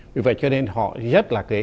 vì vậy cho nên họ rất là kế